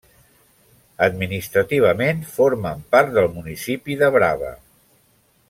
Administrativament formen part del municipi de Brava.